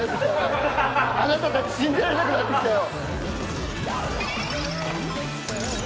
あなたたち信じられなくなってきたよ。